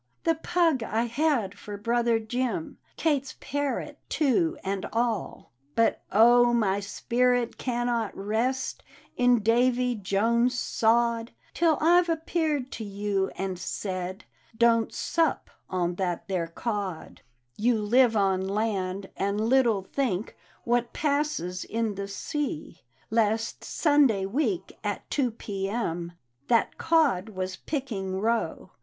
The pug I had for brother Jim, Kate's parrot, too, and all." D,gt,, erihyGOOgle The Haunted Hour " But oh, my spirit cannot rest In Davy Jones's sod, Till I've appeared to you and said, ' Don't sup on that there CtA !" You live on land, and little think What passes in the sea; Last Sunday week, at 2 p. m.. That Cod was picking roe!